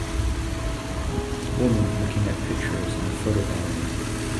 Woman looking at pictures in a photo gallery.